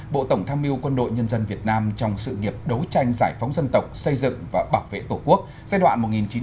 bộ tổng tham mưu quân đội nhân dân việt nam trong sự nghiệp đấu tranh giải phóng dân tộc xây dựng và bảo vệ tổ quốc giai đoạn một nghìn chín trăm bốn mươi năm hai nghìn hai mươi